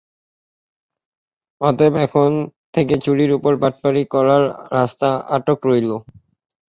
অতএব এখন থেকে চুরির উপর বাটপাড়ি করবার রাস্তা আটক রইল।